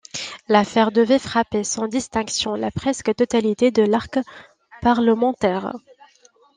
L'affaire devait frapper sans distinction la presque totalité de l'arc parlementaire.